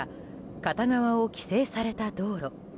片側を規制された道路。